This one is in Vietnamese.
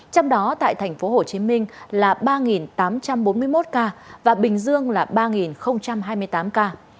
trong đó tại tp hcm là ba tám trăm bốn mươi một ca và bình dương là ba hai mươi tám ca